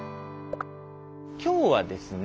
今日はですね